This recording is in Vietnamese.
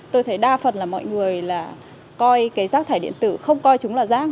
tôi thấy đa phần mọi người coi rác thải điện tử không coi chúng là rác